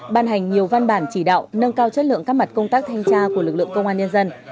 ban hành nhiều văn bản chỉ đạo nâng cao chất lượng các mặt công tác thanh tra của lực lượng công an nhân dân